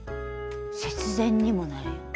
節電にもなるよね。